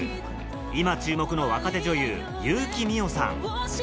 今注目の若手女優優希美青さん